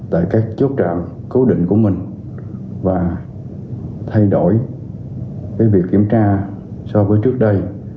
tại các chốt trạm cố định của mình và thay đổi việc kiểm tra so với trước đây